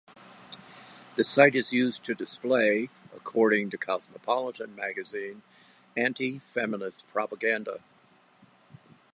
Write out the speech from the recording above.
The site is used to display, according to Cosmopolitan magazine, "anti-feminist propaganda".